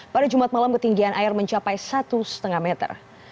pada jumat malam ketinggian air mencapai satu lima meter